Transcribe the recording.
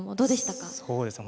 そうですね